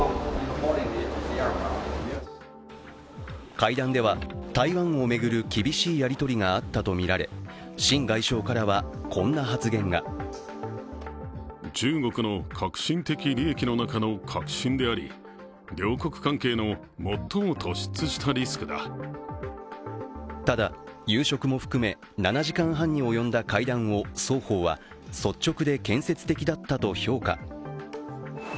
会談では台湾を巡る厳しいやり取りがあったとみられ秦外相からは、こんな発言がただ夕食も含め、７時間半に及んだ会談を双方は率直で建設的だったと評価。